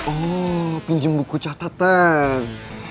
oh pinjem buku catatan